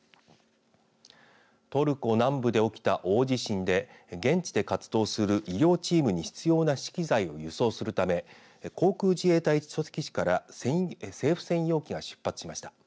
トルコ南部で起きた大地震で現地で活動する医療チームに必要な資機材を輸送するため航空自衛隊千歳基地から政府専用機が出発しました。